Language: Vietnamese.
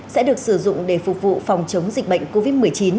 sẽ được sử dụng để phục vụ phòng chống dịch bệnh covid một mươi chín